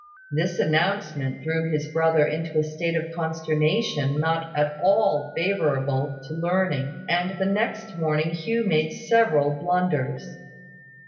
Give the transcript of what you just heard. This announcement threw his brother into a state of consternation not at all favourable to learning; and the next morning Hugh made several blunders.